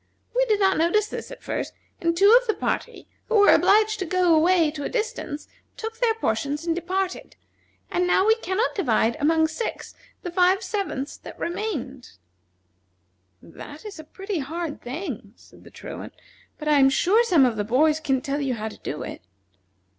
We did not notice this at first, and two of the party, who were obliged to go away to a distance, took their portions and departed, and now we can not divide among six the five sevenths that remain." "That is a pretty hard thing," said the Truant, "but I am sure some of the boys can tell you how to do it."